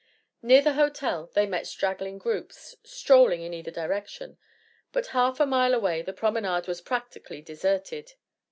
Near the hotel they met straggling groups, strolling in either direction, but half a mile away the promenade was practically deserted.